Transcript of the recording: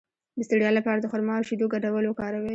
د ستړیا لپاره د خرما او شیدو ګډول وکاروئ